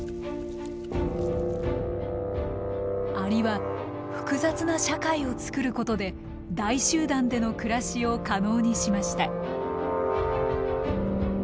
アリは複雑な社会を作ることで大集団での暮らしを可能にしました。